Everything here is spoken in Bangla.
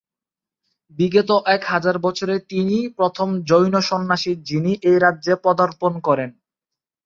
বিগত এক হাজার বছরে তিনিই প্রথম জৈন সন্ন্যাসী যিনি এই রাজ্যে পদার্পণ করেন।